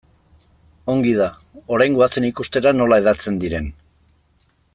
Ongi da, orain goazen ikustera nola hedatzen diren.